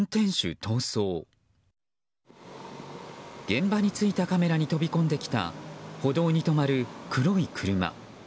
現場に着いたカメラに飛び込んできた歩道に止まる黒い車。